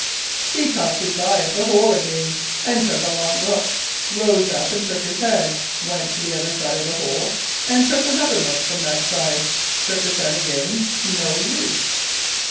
"He cocked his eye at the hole again and took a long look; rose up and shook his head; went to the other side of the hole and took another look from that side; shook his head again. No use.